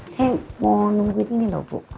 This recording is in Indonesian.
saya mau nungguin gini lho bu